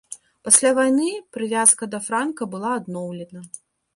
Пасля вайны прывязка да франка была адноўлена.